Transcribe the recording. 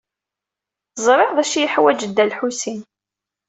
Ẓriɣ d acu i yeḥwaǧ Dda Lḥusin.